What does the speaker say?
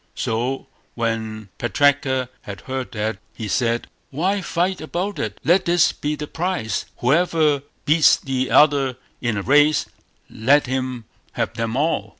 So when Putraka had heard that he said "Why fight about it? Let this be the prize; whoever beats the other in a race, let him have them all".